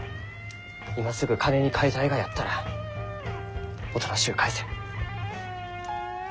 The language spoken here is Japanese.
今すぐ金に換えたいがやったらおとなしゅう返せ。